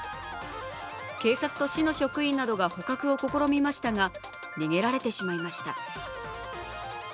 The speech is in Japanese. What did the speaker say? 警察と市の職員などが捕獲を試みましたが逃げられてしまいました。